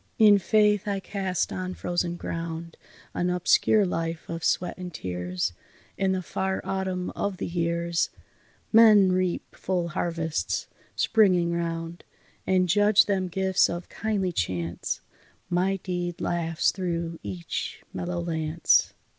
In Faith I cast on frozen ground An obscure life of sweat and tears; In the far Autumn of the years Men reap full harvests, springing round, And judge them gifts of kindly chance, My deed laughs through each mellow lance."